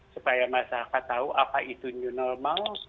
supaya masyarakat tahu apa itu new normal